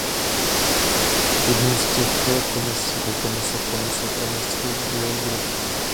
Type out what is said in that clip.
Jednou z těchto komisí je komise pro městskou geografii.